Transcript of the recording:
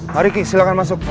mari ki silahkan masuk